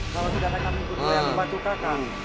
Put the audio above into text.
kalau tidak kakak mengikuti yang membantu kakak